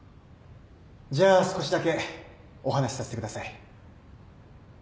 じゃあ少しだけお話しさせてください。